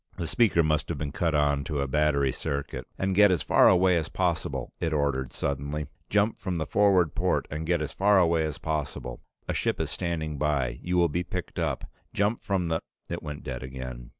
The speaker must have been cut on to a battery circuit. "And get as far away as possible," it ordered suddenly. "Jump from the forward port and get as far away as possible. A ship is standing by. You will be picked up. Jump from the ". It went dead again.